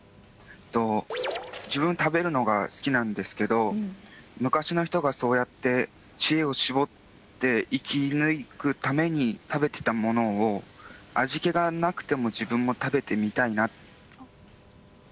自分食べるのが好きなんですけど昔の人がそうやって知恵を絞って生き抜くために食べてたものを味気がなくても自分も食べてみたいな。